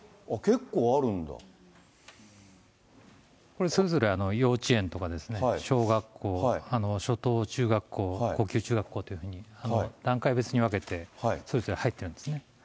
これ、それぞれ幼稚園とかですね、小学校、初等中学校、高級中学校というふうに、段階別に分けて、それぞれ入ってるんですね。